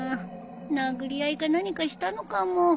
殴り合いか何かしたのかも